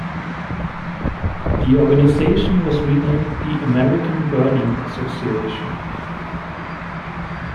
The organization was renamed the American Birding Association.